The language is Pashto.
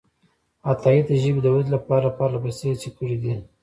عطایي د ژبې د ودې لپاره پرلهپسې هڅې کړې دي.